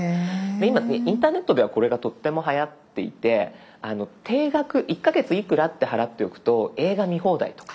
今インターネットではこれがとってもはやっていて定額１か月いくらって払っておくと映画見放題とか。